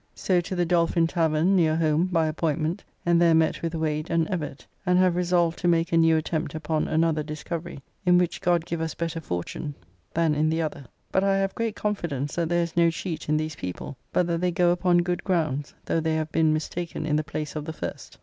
So to the Dolphin Tavern near home, by appointment, and there met with Wade and Evett, and have resolved to make a new attempt upon another discovery, in which God give us better fortune than in the other, but I have great confidence that there is no cheat in these people, but that they go upon good grounds, though they have been mistaken in the place of the first.